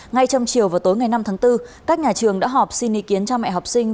ngay trong chiều và tối ngày năm tháng bốn các nhà trường đã họp xin ý kiến cha mẹ học sinh